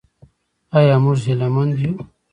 آیا موږ هیله مند یو؟